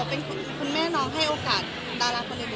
คุณแม่น้องให้โอกาสดาราคนในผมไปเจอคุณแม่น้องให้โอกาสดาราคนในผมไปเจอ